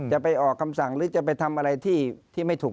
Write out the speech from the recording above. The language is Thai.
จะไปออกคำสั่งหรือจะไปทำอะไรที่ไม่ถูก